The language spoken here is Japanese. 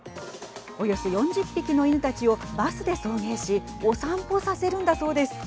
およそ４０匹の犬たちをバスで送迎しお散歩させるんだそうです。